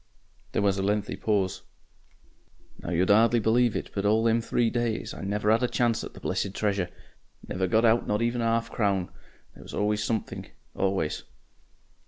There was a lengthy pause. "Now, you'd 'ardly believe it, but all them three days I never 'ad a chance at the blessed treasure, never got out not even a 'arf crown. There was always a Somethink always.